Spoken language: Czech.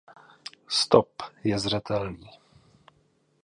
Stop je zřetelný.